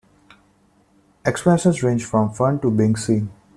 Explanations ranged from fun to being seen.